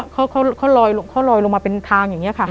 เขาลอยลงมาเป็นทางอย่างเงี้ยค่ะ